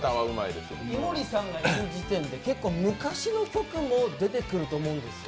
井森さんがいる時点で、結構昔の曲も出てくると思うんですよ。